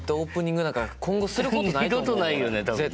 二度とないよね多分ね。